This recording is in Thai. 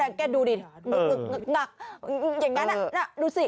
แกดูดิหึกหนักอย่างนั้นดูสิ